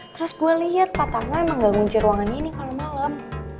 terus gue liat pak tarno emang gak ngunci ruangannya nih kalau malem